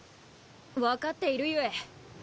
分かっているゆえ。